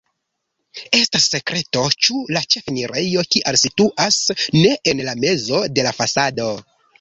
Estas sekreto, ĉu la ĉefenirejo kial situas ne en la mezo de la fasado.